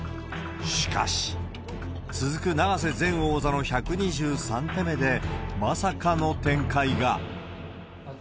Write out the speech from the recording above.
しかし、続く永瀬前王座の１２３手目で、まさかの展開が。